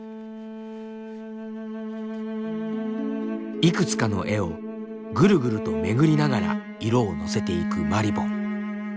いくつかの絵をぐるぐると巡りながら色をのせていくまりぼん。